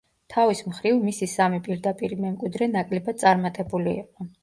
თავის მხრივ, მისი სამი პირდაპირი მემკვიდრე ნაკლებად წარმატებული იყო.